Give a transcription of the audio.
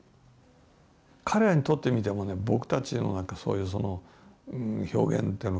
彼らにとってみても僕たちのそういう表現というのか